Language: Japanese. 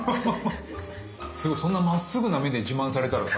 すごいそんなまっすぐな目で自慢されたらさ。